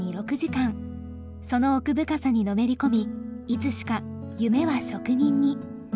その奥深さにのめり込みいつしか夢は職人に。